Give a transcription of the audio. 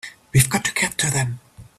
We've got to get to them!